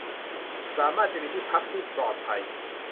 สามารถจะมีที่พักที่ปลอดภัย